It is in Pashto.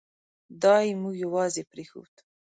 دای مو یوازې پرېښود.